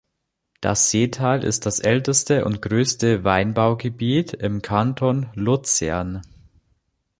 Das Seetal ist das älteste und grösste Weinbaugebiet im Kanton Luzern.